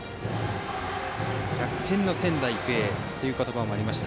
逆転の仙台育英という言葉もありました。